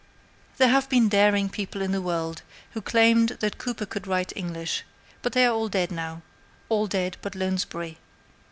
There have been daring people in the world who claimed that Cooper could write English, but they are all dead now all dead but Lounsbury.